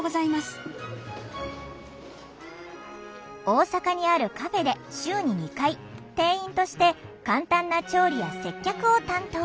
大阪にあるカフェで週に２回店員として簡単な調理や接客を担当。